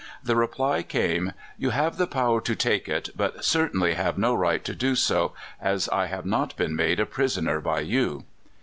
The reply came: "You have the power to take it, but certainly have no right to do so, as I have not been made a prisoner by you."